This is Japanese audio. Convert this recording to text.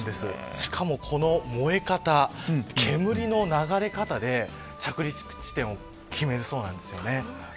しかも、この燃え方煙の流れ方で着陸地点を決めるそうなんですよね。